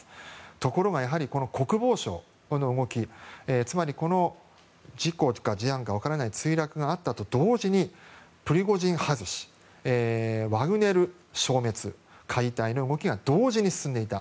ところが国防省の動きつまり、事故なのか分からない墜落があったと同時にプリゴジン外しワグネル消滅、解体の動きが同時に進んでいた。